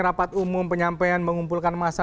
rapat umum penyampaian mengumpulkan massa